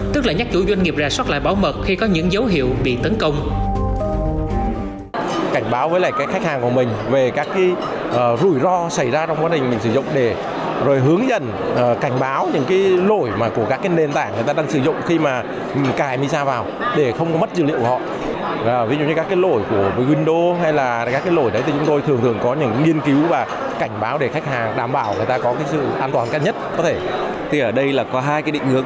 tức là nhắc chủ doanh nghiệp ra soát lại báo mật khi có những dấu hiệu bị tấn công